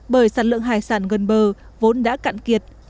bởi sản lượng hải sản gần bờ vốn đã cạn kiệt